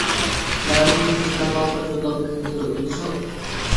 Learning licence না পাওয়া পর্যন্ত অপেক্ষা করতে হবে, বুঝেছ?